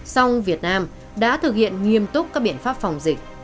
song việt nam đã thực hiện nghiêm túc các biện pháp phòng dịch